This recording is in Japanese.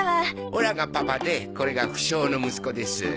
オラがパパでこれが不肖の息子です。